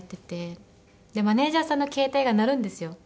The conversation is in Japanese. マネジャーさんの携帯が鳴るんですよ。